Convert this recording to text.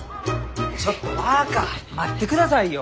ちょっと若待ってくださいよ！